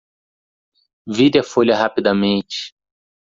Vire a folha rapidamente